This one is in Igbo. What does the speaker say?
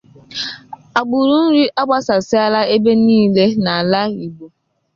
àgbụrụ Nri agbasasịala ebe niile n'ala Igbo